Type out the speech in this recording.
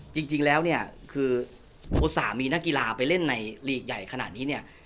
จริงจริงแล้วเนี้ยคือโอสารมีนักกีฬาไปเล่นในจังหายขนาดเนี้ย